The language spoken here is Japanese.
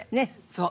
そう。